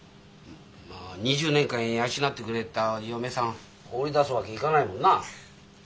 まあ２０年間養ってくれた嫁さん放り出すわけにいかないもんな。